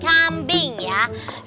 saya mau beli dua yang di kanan